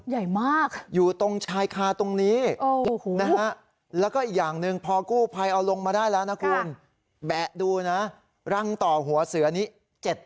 ใหญ่มากอยู่ตรงชายคาตรงนี้นะฮะแล้วก็อีกอย่างหนึ่งพอกู้ภัยเอาลงมาได้แล้วนะคุณแบะดูนะรังต่อหัวเสือนี้